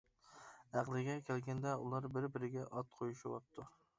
ئەقلىگە كەلگەندە ئۇلار بىر-بىرىگە ئات قويۇشۇۋاپتۇ.